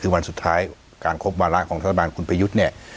คือวันสุดท้ายการครบวาระของรัฐบาลคุณประยุทธ์เนี่ย